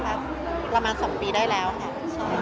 แล้วอย่างเราเองก็ต้องปรับตาม